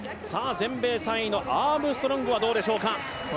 全米３位のアームストロングはどうでしょうか？